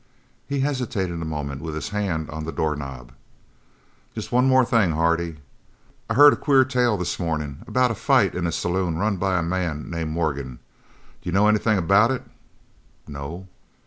He hesitated a moment with his hand on the door knob. "Just one thing more, Hardy. I heard a queer tale this morning about a fight in a saloon run by a man named Morgan. Do you know anything about it?" "No."